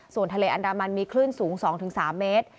ส่วนทะเลอันดามันมีคลื่นสูง๒๓เมตร